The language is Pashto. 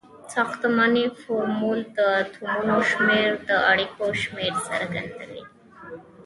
ساختمانی فورمول د اتومونو شمیر او د اړیکو شمیر څرګندوي.